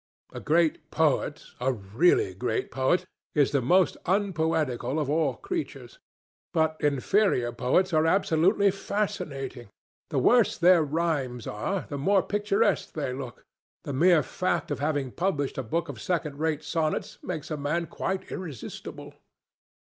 A great poet, a really great poet, is the most unpoetical of all creatures. But inferior poets are absolutely fascinating. The worse their rhymes are, the more picturesque they look. The mere fact of having published a book of second rate sonnets makes a man quite irresistible.